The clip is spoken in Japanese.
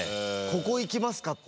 ここいきます。